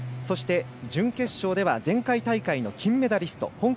準決勝では前回大会の金メダリスト